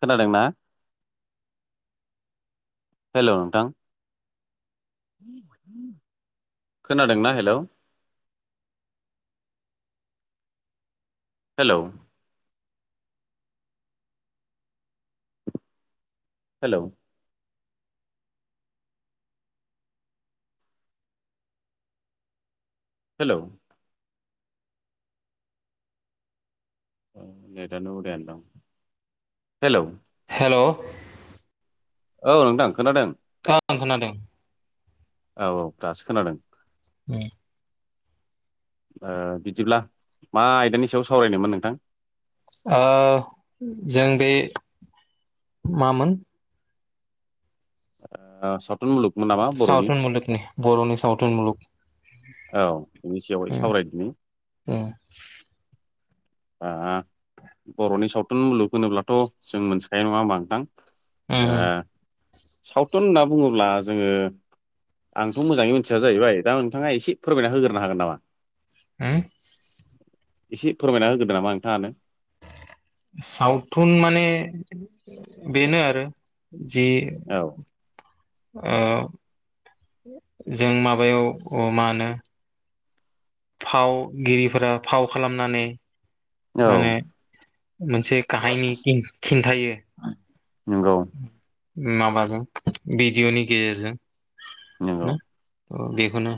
खोनादोंना हेलौ नोंथां खोनादोंना हेलौ हेलौ हेलौ हेलौ नेदानो उथाया दां हेलौ हलौ औ नोंथां खोनादों खोनादों औ औ दासो खोनादों [unintelligible] बिदिब्ला मा आयदानि सायाव सावरायनोमोन नोंथां जों बे मामोन आ सावथुन मुलुग सावथुन मुलुगनि बर'नि सावथुन मुलुग औ बिनि सावहाय उम सावरायदिनि उम बर'नि सावथुन मुलुग होनोब्लाथ' जों मोनथिखायो नंङा होनबा नोंथां उम ए सावथुन होनना बुंङोब्ला जोंङो आंथ' मोजांङै मिथिया जाहैबाय दा नोंथांङा एसे फोरमायना होग्रोनो हागोन नामा [unintelligible] एसे फोरमायना होगोनो नामा नोंथांङानो सावथुन माने बेनो आरो जि औ ओ जों माबायाव मा होनो फावगिरिफोरा फाव खालामनानै औ माने मोनसे काहायनि खिन्थायो नंगौ माबाजों भिडिअ'नि नंगौ गेजेरजों बेखौनो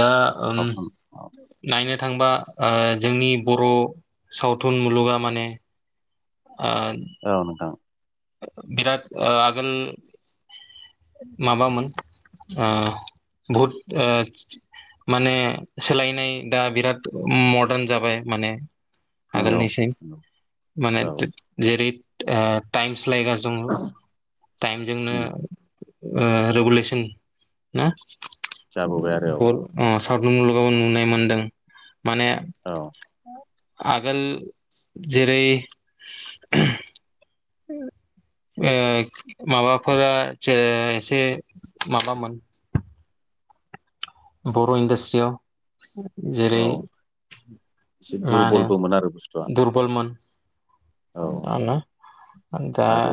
दा ओ सावथुन औ नायनो थांबा जोंनि बर' सावथुन मुलुगा माने आ औ नोंथां बिराद आगोल माबामोन आ बहुत ओ माने सोलायनाय दा बिराद मदार्न जाबाय माने नंगौ आगोलनिसिम नंगौ माने औ जेरै टाइम सस्लायगासिनो दङ टाइमजों नो उम रेगुलेसन ना जाबोबाय आरो औ सावथुन मुलुगाबो नुनाय मोनदों माने औ आगोल जेरै ओ माबाफोरा एसे माबामोन बर' इन्डासट्रियाव औ जेरै एसे मा होनो दुरबलबोमोन आरो बुस्थुआ दुरबलमोन औ आरो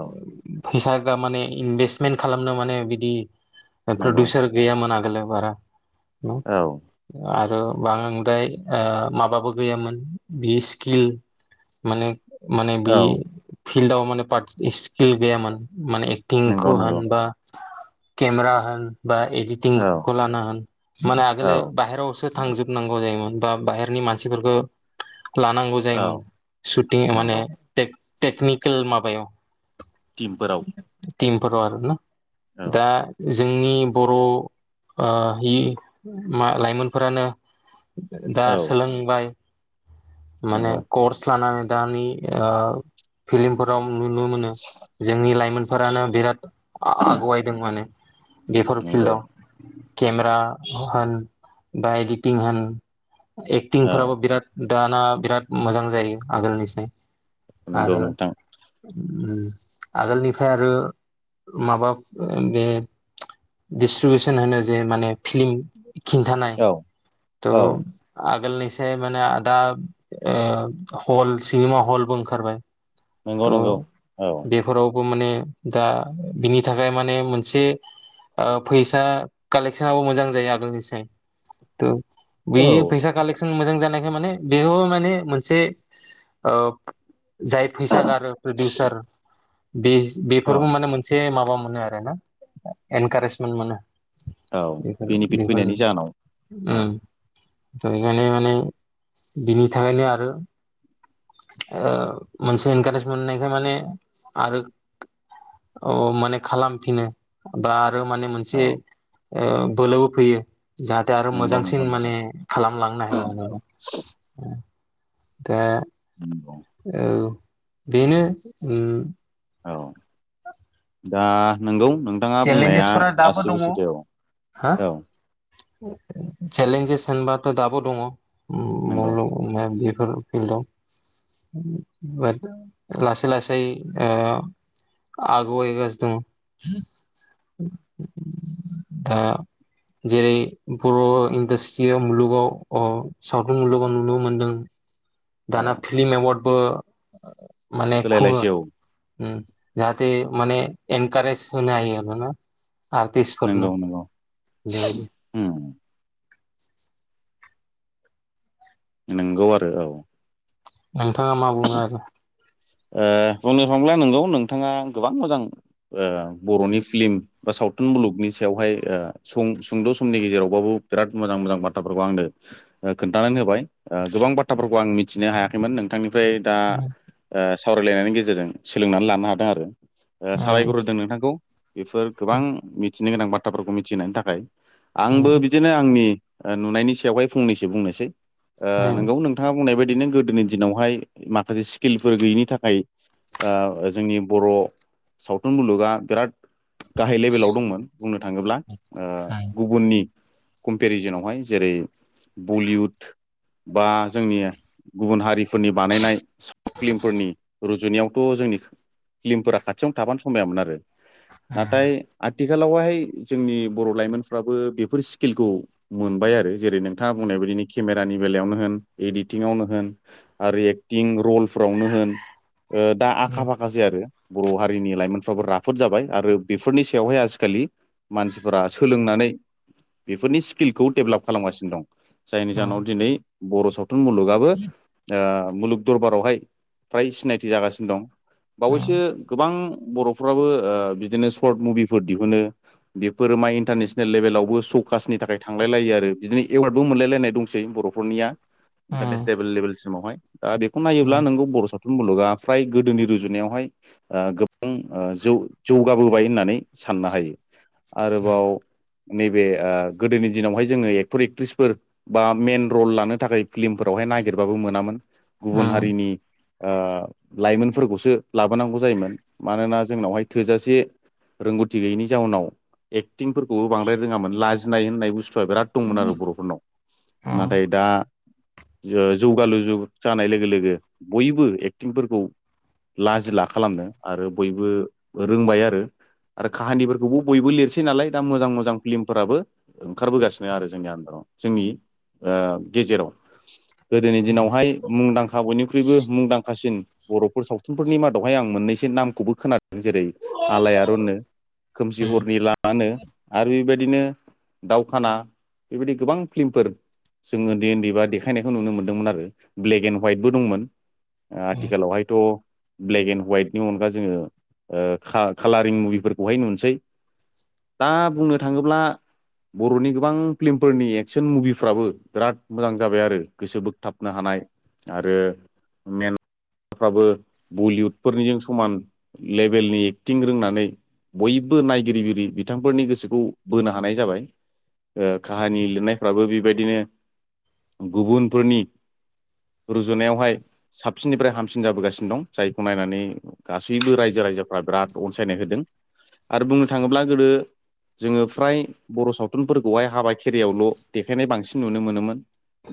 औ फैसा ग माने इनभेस्टमेन्ट खालामनो माने बिदि नंगौ प्रडिउसार गैयामोन आरो बारा औ आरो बांद्राय ओ माबाबो गैयामोन बियो स्किल माने माने बि औ फिल्डआव माने स्किल गैयामोन माने नंगौ एक्टिंखौ नंगौ होन बा केमेरा होन बा एडिटिं औ खौ लानो होन माने औ आगोलो बाहेरावसो थांजोबनांगौ जायोमोन बा बाहेरनि मानसिफोरफोरखौ लानांगौ औ जायोमोन शुटिं माने नंगौ टेकनिकेल माबायाव टिमफोराव टिमफोराव आरोना औ दा जोंनि बर' मा लाइमोनफोरानो दा औ सोलोंबाय माने नंगौ कर्स लानानै दानि फिल्मफोराव नुनो मोनो जोंनि लाइमोनफोरानो बिराद आगवायदों माने बेफोर नंगौ फिल्डआव केमेरा होन बा एडिटिं होन औ एक्टिंफोराबो बिराद दाना बिराद मोजां जायो आगोलनिसिम नंगौ आरो नोंथां आगोलनिफ्राय आरो माबा बे दिसट्रिबिउसन होनो जे माने फिलम खिन्थानाय औ त' औ आगोलनिसाय माने दा हल सिनेमा हलबो ओंखारबाय नंगौ नंगौ औ थ' बेफोराव माने दा बिनि थाखाय माने मोनसे फैसा कालेक्सनाबो मोजां जायो आगोलनिसाय थ' बे औ फैसा कालेकसन मोजां जानायखाय माने बेखौ माने मोनसे जाय फैसा गारो प्रडिउसार बे औ बेफोरबो माने मोनसे माबा मोनो औ बेफोर बेनिफिट बेफोर फैनायनि जाहोनाव औ बेखायनो माने बिनि थाखायनो आरो मोनसे इनकारेज मोननायखाय माने आरो अ माने खालामफिनो बा आरो माने मोनसे औ बोलोबो फैयो जाहाथे आरो नंगौ नंगौ मोजांसिन माने नोंथां खालामलांनो हायो आरो औ दा नंगौ औ बेनो उम औ दा नोंगौ नोंथाङा बुंनाया चेलेन्जेसफोरा दाबो दङ गासिबो सैथो औ हा औ चेलेन्जेस होनबाथ' दाबो दङ नंगौ बे फिल्डआव लासै लासै आगुवायगासिनो दङ दा जेरै बर' इन्डास्ट्रियाव मुलुगाव सावथुन मुलुगाव नुनो मोनदों औ दाना फिल्म एवार्डबो माने खुङो सोलायलायसै औ जाहाथे माने एनकारेस होनो हायो आरतिसफोरनो नंगौ नंगौ दाबायदि उम नंगौ आरो औ नोंथां मा बुंङो आरो बुंनो थांब्ला नोंगौ नोंथाङा गोबां मोजां बर'नि फिल्म बा सावथुन मुलुगनि सायावहाय सुंद' समनि गेजेरावबाबो बिराद मोजां मोजां बाथ्राफोरखौ आंनो खोन्थानानै होबाय गोबां बाथ्राफोरखौ आं मिथिनो हायाखैमोन नोंथांनि ओमफ्राय दा सावरायलायनायनि गेजेरजों सोलोंनानै लानो हादों आरो साबायखर होदों नोंथांखौ बेफोर गोबां मिथिनो गोनां बाथ्राफोरखौ मिथिहोनायनि थाखाय आंबो बिदिनो आंनि नुनायनि सायावहाय फंनैसो बुंनोसै नोंगौ नोंथाङा बुंनाय बायदिनो गोदोनि दिनावहाय माखासे स्किलफोर गैयिनि थाखाय जोंनि बर' सावथुन मुलुगा बिराद गाहाय लेभेलाव दंमोन बुंनो थाङोब्ला गुबुननि कम्पेरिजेनावहाय जेरै बलिउड बा जोंनि गुबुन हारिफोरनि बानायनाय फिल्मफोरनि रुजुनायावथ' जोंनि फिल्मफोरा खाथियावनो थाबानो समायामोन आरो नाथाय आथि आथिखालावहाय जोंनि बर' लाइमोनफ्राबो बेफोर स्किलखौ मोनबाय आरो जेरै नोंथाङा बुंनाय बायदि बेनि केमेरानि बेलायावनो होन इदिथिङावनो होनो आरो एक्तिं रल फुरावनो होन दा आखा फाखासै आरो बर' हारिनि लाइमोनफ्राबो राफोद जाबाय आरो बेफोरनि सायावहाय आजिखालि मानसिफोरा सोलोंनानै बेफोरनि स्किलखौ डेभेलप खालामगासिनो दं जायनि जाहोनाव दिनै बर' सावथुन मुलुगाबो ओ मुलुग दरबारावहाय फ्राय सिनायथि जागासिनो दं बावैसो गोबां बर'फ्राबो ओ बिदिनो सर्ट मुभिफोर दिहुनो बेफोरो मा इन्टारनेसनेल लेभेलावबो सकासनि थाखाय थांलायलायो आरो बिदिनो एवार्डबो मोनलायलायनाय दंसै बर'फोरनिया इन्टारनेसनेल लेभेलसिमावहाय दा बेखौ नायोब्ला नोंगौ बर' सावथुन मुलुगा फ्राय गोदोनि रुजुनायावहाय गोबां जौगाबोबाय होननानै साननो हायो आरोबाव नैबे ओ गोदोनि दिनावहाय जोङो एक्टर एक्ट्रिसफोर बा मेन रल लानो थाखाय फिल्मफोरावहाय नागिरबाबो मोनामोन गुबुन हारिनि ओ लाइमोनफोरखौसो लाबोनांगौ जायोमोन मानोना जोंनावहाय थोजासे रोंगौथि गैयिनि जाउनाव एक्टिंफोरखौबो बांद्राय रोङामोन लाजिनाय होननाय बुस्थु फोरा बिराद दंमोन आरो बर'फोरनाव नाथाय दा जौगालु जुग जानाय लोगो लोगो बयबो एक्टिंफोरखौ लाजिला खालामनो आरो बयबो रोंबाय आरो आरो काहानिफोरखौबो बयबो लिरसै नालाय दा मोजां मोजां फिल्मफोराबो ओंखारबोगासिनो आरो जोंनि आन्दाराव जोंनि ओ गेजेराव गोदोनि दिनावहाय मुंदांखा बयनिख्रुय यबो मुंदांखासिन बर'फोर सावथुनफोरनि मादावहाय आं मोननैसो नामखौबो खोनादों जेरै आलाय आरननो खोमसि हरनि लामानो आरो बेबायदिनो दावखाना बेबायदि गोबां फिल्मफोर जों उन्दै उन्दै बा देखायनायखौ नुनो मोनदोंमोन आरो ब्लेक एन्ड हवाइटबो दंमोन आथिखालावहायथ' ब्लेक एन्ड हवाइटनि अनगा जोङो ओ कालारिं मुभिफोरखौहाय नुनोसै दा बुंनो थाङोब्ला बर'नि गोबां फिल्मफोरनि एक्सन मुभिफ्राबो बिराद मोजां जाबाय आरो गोसो बोगथाबनो हानाय आरो मे फ्राबो बलिउदफोरनिजों समान लेभेलनि एक्टिं रोंनानै बयबो नायगिरिगिरि बिथांफोरनि गोसोखौ बोनो हानाय जाबाय ओ काहानि लिरनायफ्राबो बेबायदिनो गुबुनफोरनि रुजुनायावहाय साबसिननिफ्राय हामसिन जाबोगासिनो दं जायखौ नायनानै गासैबो रायजो राजाफ्रा बिराद अनसायनाय होदों आरो बुंनो थाङोब्ला गोदो जोङो फ्राय बर' सावथुनफोरखौहाय हाबा खेराइयावल' देखायनाय बांसिन नुनो मोनोमोन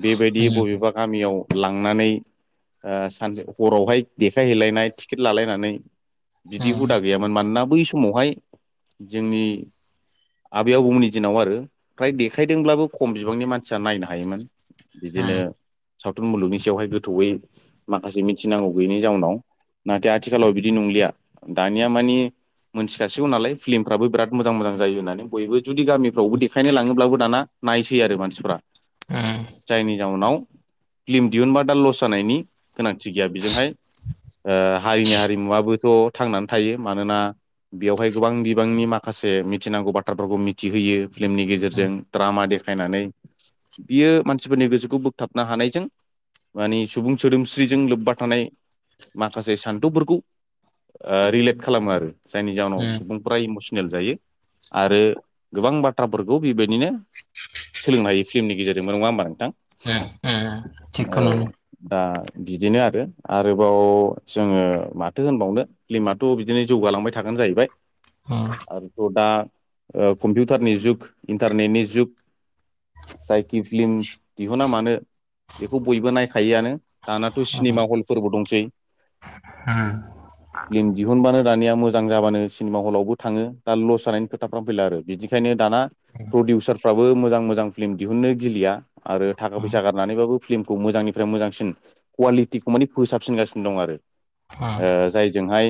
बेबायदि बबेबा गामियाव लांनानै ओ सानसे हरावहाय देखायहैलायनाय टिकेट लालायनानै बिदि हुदा गैयामोन मानोना बै समावहाय जोंनि आबै आबौमोननि दिनाव आरो फ्राय देखायदोंब्लाबो खम बिबांनि मानसिया नायनो हायोमोन बिदिनो सावथुन मुलुगनि सायावहाय गोथौयै माखासे मिथिनांगौ गैयैनि जाउनाव नाथाय आथिखालाव बिदि नंलिया दानिया मानि मोनथिखासिगौ नालाय फिल्मफ्राबो बिराद मोजां मोजां जायो होननानै बयबो जुदि गामिफ्रावबो देखायनो लाङोब्लाबो दाना। नायसै आरो मानसिफोरा जायनि जाउनाव फिलिम दिहुनबा दा लस जानायनि गोनांथि गैया बेजोंहाय ओ हारिनि हारिमुवाबोथ' थांनानै थायो। मानोना बेवहाय गोबां बिबांनि माखासे मिथिनांगौ बाथ्राफोरखौ मिथिहोयो। फिल्मनि गेजेरजों द्रामा देखायनानै बियो मानसिफोरनि गोसोखौ बोगथाबनो हानायजों मानि सुबुं सोदोमस्रिजों लोब्बा थानाय माखासे सान्थौफोरखौ रिलेक्ट खालामो आरो जायनि जााहोनाव सुबुंफ्रा इमसनेल जायो आरो गोबां बाथ्राफोरखौ बेबायदिनो सोलोंनो हायो फिल्मनि गेजेरजोंमोन नङा होमबा नोंथां। थिगखौनो औ दा बिदिनो आरो आरोबाव जोङो माथो होनबावनो फिल्माथ' बिदिनो जौगायो। जालांबाय थागोन जाहैबाय। उम आरोथ दा कम्पिउटारनि जुग इन्टारनेटनि जुग जायखि फिल्म दिहुना मानो बेखौ बयबो नायखा थायोआनो दानाथ' उम सिनेमा हलफोरबो दंसै। ओम फिल्म दिहुनबानो दानिया मोजां जाबानो सिनेमा हलावबो थाङो दा लस जानायनि खोथाफ्रा फैला आरो। बिदिखायनो दाना प्रदुचाराबो मोजां मोजां फिलम दिहुननो गिलिया आरो थाखा फैसा थ' गारनानैबाबो फिल्मखौ मोजांनिफ्राय मोजांसिन कुवालिटिखौ माने फोसाबसिनगासिनो दं आरो। जाय जोंहाय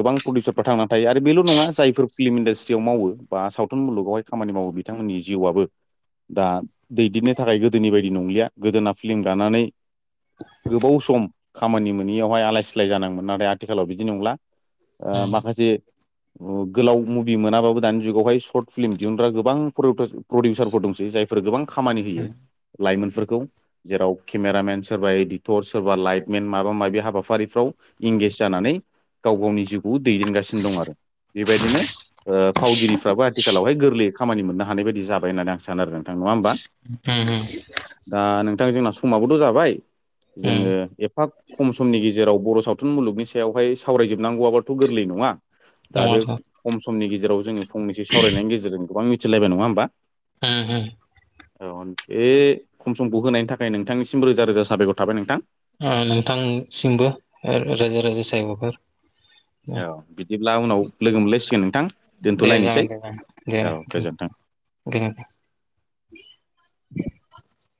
गोबां प्रडिउसारफ्रा थांनानै थायो आरो बेल' नङा जायफोर फिल्म इन्डास्ट्रियाव मावो बा सावथुन मुलुगावहाय खामानि माव बिथांमोननि जिउआबो दा दैदेननो थाखाय गोदोनि बायदि नंलिया गोदोना फिल्म गानानै गोबाव सम खामानि मोनोैयावहाय आलाय सिलाय जानांगौमोन नाथाय आथिखालाव बिदि नंला माखासे गोलाव मुभि मोनाबाबो दानि जुगावहाय सर्ट फिल्म दिहुनग्रा गोबां प्रडिउसारफोर दंसै। जायफोर गोबां खामानि होयो लाइमोनफोरखौ जेराव केमेरामेन सोरबा इडिटर सोरबा लाइटमेन माबा माबि हाबाफारिफ्राव इंगेज जानानै गाव गावनि जिउखौ दैदेनगासिनो दं आरो बेबायदिनो फावगिरिफ्राबो आथिखालावहाय गोरलै खामानि मोननो हानाय बायदि जाबाय होननानै आं सानो आरो नोंथां नङा होमबा उम दा नोंथां जोंना समाबोथ' जाबाय। जोङो एफाग खम समनि गेजेराव बर' सावथुन मुलुगनि सायावहाय सावरायजोबनांगौआबाथ' गोरलै नङा। दा बे खम समनि गेजेराव जोङो फंनैसो सावरायनायनि गेजेरजों गोबां मिथिलायबाय नङा होमबा? औ बे खम समखौ होनायनि थाखाय नोंथांनिसिम रोजा रोजा साबायखर थाबाय नोंथां। नोंथांसिमबो रायजो राजा जायगफोर औ बिदिब्ला उनाव लोगो मोनलायसिगोन नोंथां दे दोनथ'लायनोसै जागोन दे जागोन दे दे औ गोजोन्थों। गोजोनथों